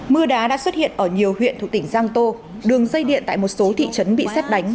mưa đá đã xuất hiện ở nhiều huyện thuộc tỉnh giang tô đường dây điện tại một số thị trấn bị xét đánh